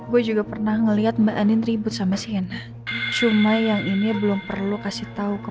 gue juga pernah melihat mbak anin ribut sama siana cuma yang ini belum perlu kasih tahu ke